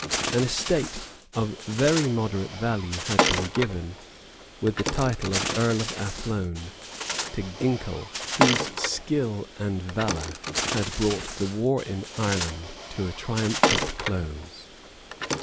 An estate of very moderate value had been given, with the title of Earl of Athlone, to Ginkell, whose skill and valour had brought the war in Ireland to a triumphant close.